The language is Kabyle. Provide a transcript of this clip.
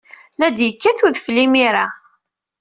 La d-yekkat udfel imir-a.